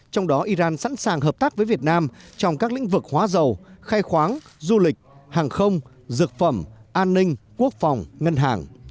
trong đó iran sẵn sàng hợp tác với việt nam trong các lĩnh vực hóa dầu khai khoáng du lịch hàng không dược phẩm an ninh quốc phòng ngân hàng